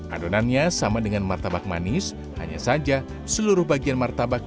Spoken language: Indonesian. adonannya sama dengan martabak manis hanya saja seluruh bagian martabak